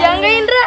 yang ke indra